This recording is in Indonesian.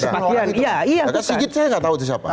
mereka sijit saya nggak tahu itu siapa